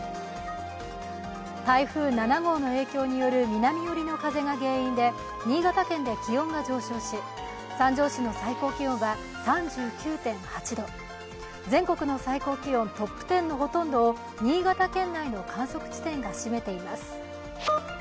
台風７号の影響による南寄りの風が原因で新潟県で気温が上昇し三条市の最高気温は３９．８度全国の最高気温トップ１０のほとんどを新潟県内の観測地点が占めています。